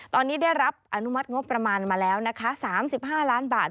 ตอนนี้ได้รับอนุมัติงบประมาณมาแล้วนะคะ๓๕ล้านบาท